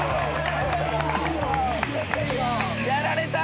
やられた！